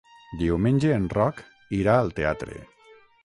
Diumenge en Roc irà al teatre.